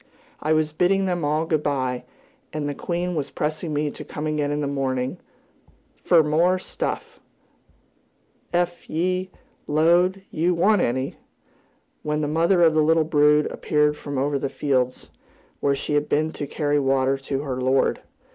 I was bidding them all good bye, and the queen was pressing me to come again in the morning "fer more stuff, ef ye 'lowed yew wanted any," when the mother of the little brood appeared from over the fields, where she had been to carry water to her lord.